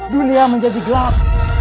dunia menjadi gelap